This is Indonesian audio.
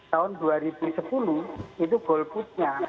tahun dua ribu sepuluh itu goal putnya